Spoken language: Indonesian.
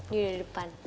dia udah di depan